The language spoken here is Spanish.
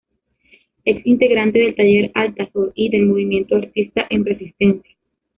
Ex integrante del "Taller Altazor" y del movimiento "Artistas en Resistencia".